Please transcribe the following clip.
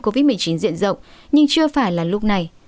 covid một mươi chín diện rộng nhưng chưa phải là lúc này